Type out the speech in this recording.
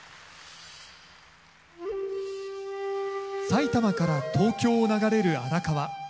埼玉から東京を流れる荒川。